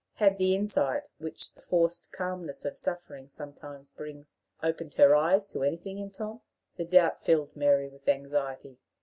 Had the insight which the enforced calmness of suffering sometimes brings opened her eyes to anything in Tom? The doubt filled Mary with anxiety.